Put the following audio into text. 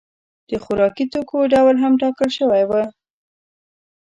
د خوراکي توکو ډول هم ټاکل شوی و.